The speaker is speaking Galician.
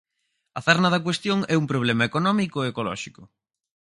A cerna da cuestión é un problema económico e ecolóxico.